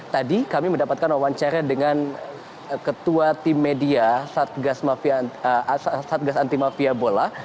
tadi kami mendapatkan wawancara dengan ketua tim media satgas anti mafia bola